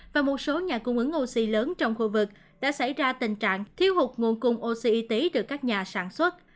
và một số nhà cung ứng oxy lớn trong khu vực đã xảy ra tình trạng thiếu hụt nguồn cung oxy y tế từ các nhà sản xuất